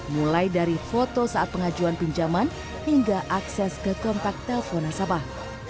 mulai dari foto saat pengajuan pinjaman hingga akses ke kontak telpon nasabah